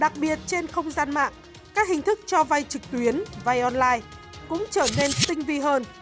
đặc biệt trên không gian mạng các hình thức cho vay trực tuyến vay online cũng trở nên tinh vi hơn